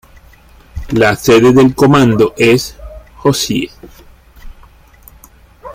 La sede del condado es Hoxie.